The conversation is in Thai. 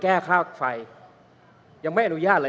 คุณเขตรัฐพยายามจะบอกว่าโอ้เลิกพูดเถอะประชาธิปไตย